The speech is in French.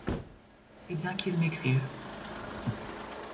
Eh bien, qu'il m'écrive !